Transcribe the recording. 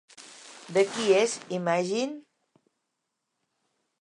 De qui és Imagine?